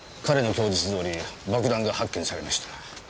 彼の供述どおり爆弾が発見されました。